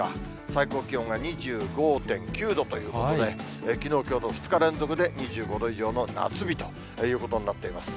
最高気温が２５．９度ということで、きのう、きょうと２日連続で、２５度以上の夏日ということになっています。